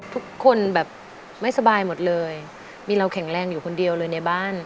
ทุกคนแบบไม่สบายหมดเลยมีเราแข็งแรงอยู่คนเดียวเลยในบ้าน